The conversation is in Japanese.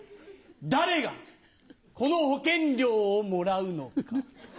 誰がこの保険料をもらうのか？